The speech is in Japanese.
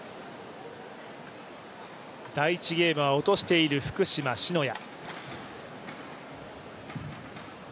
第１ゲームは落としている福島・篠谷。